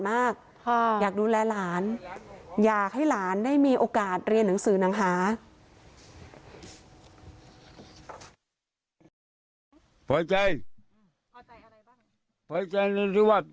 ไม่อยากช่วยเขาออกมาเหรอครับ